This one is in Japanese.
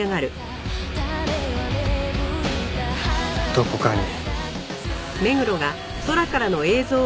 どこかに。